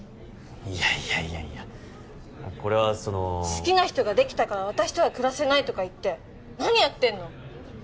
いやいやいやいやこれはその好きな人ができたから私とは暮らせないとか言って何やってんの？